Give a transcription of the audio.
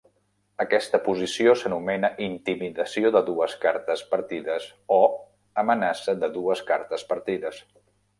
Aquesta posició s'anomena "intimidació de dues cartes partides" o "amenaça de dues cartes partides".